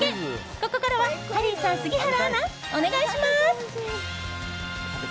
ここからはハリーさん杉原アナ、お願いします！